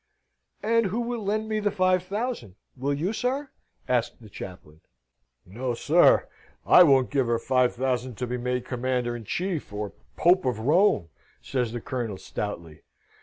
"Ah! who will lend me the five thousand? Will you, sir? asked the chaplain. "No, sir! I won't give her five thousand to be made Commander in Chief or Pope of Rome," says the Colonel, stoutly.